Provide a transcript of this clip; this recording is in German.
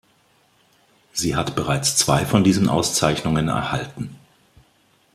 Sie hat bereits zwei von diesen Auszeichnungen erhalten.